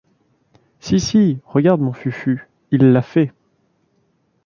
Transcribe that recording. Si, si, regarde mon Fufu : il l’a fait.